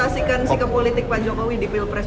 sikepolitik pak jokowi di pilpres dua ribu dua puluh empat